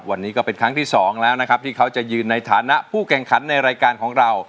วันนี้ก็เป็นครั้งที่สองแล้วนะครับที่เขาจะยืนในฐานะผู้แข่งขันในรายการของเรา